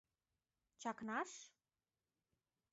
— Чакнаш?»